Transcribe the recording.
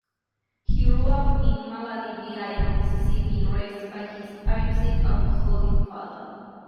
He grew up in Maladyville, Mississippi, raised by his abusive, alcoholic father.